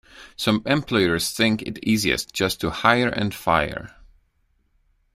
Some employers think it easiest just to hire and fire.